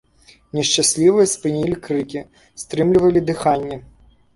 Нешчаслівыя спынілі крыкі, стрымлівалі дыханне.